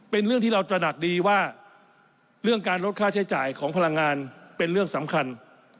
เป็นเรื่องที่เราตระหนักดีว่าเรื่องการลดค่าใช้จ่ายของพลังงานเป็นเรื่องสำคัญ